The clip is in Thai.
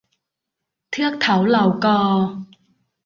เทือกเถาเหล่ากอ